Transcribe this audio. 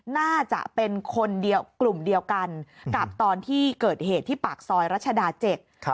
น่าจะเป็นคนเดียวกลุ่มเดียวกันกับตอนที่เกิดเหตุที่ปากซอยรัชดาเจ็ด